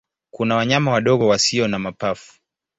Kuna wanyama wadogo wasio na mapafu.